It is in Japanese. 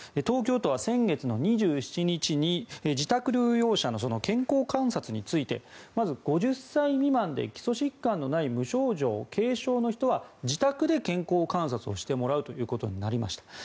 東京都は先月２７日に自宅療養者の健康観察についてまず、５０歳未満で基礎疾患のない無症状・軽症の人は自宅で健康観察をしてもらうということになりました。